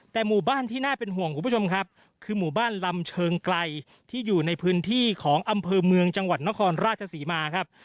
แต่หมู่บ้านที่น่าเป็นห่วงคุณผู้ชมครับคือหมู่บ้านลำเชิงไกลที่อยู่ในพื้นที่ของอำเภอเมืองจังหวัดนครราชศรีมาครับ